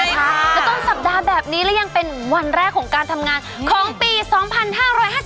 แล้วต้นสัปดาห์แบบนี้และยังเป็นวันแรกของการทำงานของปี๒๕๕๗